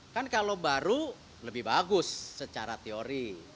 kan kalau baru lebih bagus secara teori